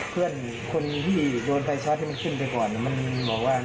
เพื่อนคนนี่คนที่โดนสารเก่งของเขาถ้าเข้าเท้าก่อน